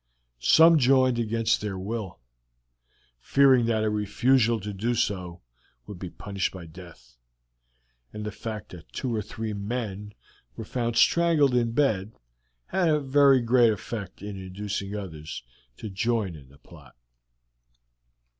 Some joined against their will, fearing that a refusal to do so would be punished by death; and the fact that two or three men were found strangled in bed had a very great effect in inducing others to join in the plot.